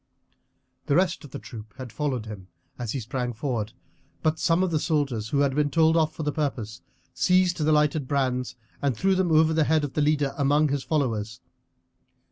The rest of the troop had followed him as he sprang forward, but some of the soldiers, who had been told off for the purpose, seized the lighted brands and threw them over the head of the leader among his followers.